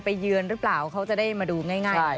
เยือนหรือเปล่าเขาจะได้มาดูง่าย